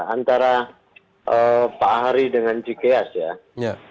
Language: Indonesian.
antara pak ari dengan cikeas ya